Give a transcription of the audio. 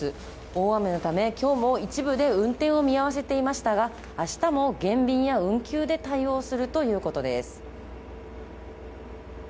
大雨のため、今日も一部で運転を見合わせていましたが明日も減便や運休で対応するということです。